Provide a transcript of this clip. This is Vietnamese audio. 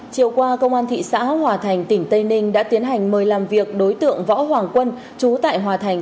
chiều qua công an thị xã hòa thành tỉnh tây ninh đã tiến hành mời làm việc đối tượng võ hoàng quân chú tại hòa thành